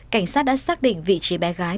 cảnh sát đã xác định vị trí bé gái